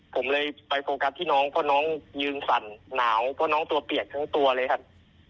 ผมเลยไปโฟกัสที่น้องเพราะน้องยืนสั่นหนาวเพราะน้องตัวเปียกทั้งตัวเลยครับ